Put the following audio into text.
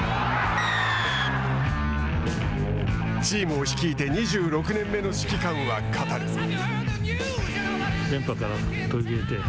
チームを率いて２６年目の指揮官は語る。